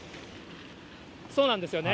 そうなんですよね。